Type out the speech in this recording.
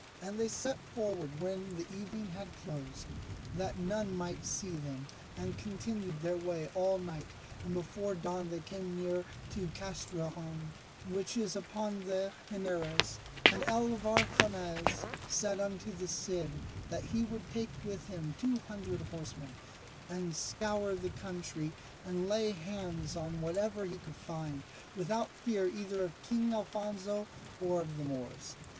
And they set forward when the evening had closed, that none might see them, and continued their way all night, and before dawn they came near to Castrejon, which is upon the Henares. And Alvar Fanez said unto the Cid, that he would take with him two hundred horsemen, and scour the country and lay hands on whatever he could find, without fear either of King Alfonso or of the Moors.